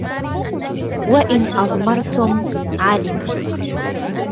وَإِنْ أَضْمَرْتُمْ عَلِمَ